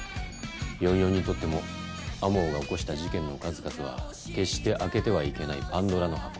４４にとっても天羽が起こした事件の数々は決して開けてはいけないパンドラの箱。